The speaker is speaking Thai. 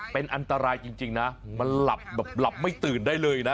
เป็นอันตรายจริงนะมันหลับแบบหลับไม่ตื่นได้เลยนะ